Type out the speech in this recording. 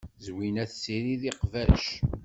Zwina tessirid iqbac.